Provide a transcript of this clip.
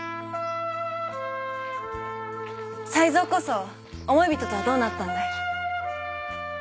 才三こそ思い人とはどうなったんだい？